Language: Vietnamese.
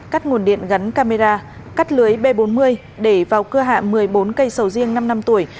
cắt nguồn điện gắn camera cắt lưới b bốn mươi để vào cưa hạ một mươi bốn cây sầu riêng năm năm tuổi